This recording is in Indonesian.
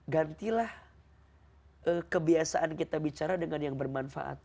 gantilah kebiasaan kita bicara dengan yang bermanfaat